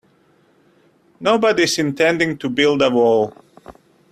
Nobody's intending to build a wall.